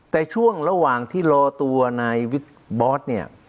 แต่ช่วงระหว่างที่รอตัวในบอส